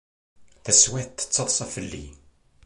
Taswiεt, tettaḍsa fell-i.